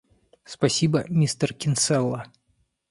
Спасибо, мистер Кинсела.